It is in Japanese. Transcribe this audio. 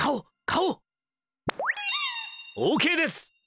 オーケーです！